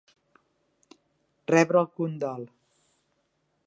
Rebre el condol.